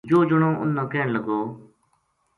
یوہ جنو اُنھ نا کہن لگو